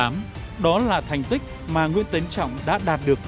bảy m chín mươi tám đó là thành tích mà nguyễn tiến trọng đã đạt được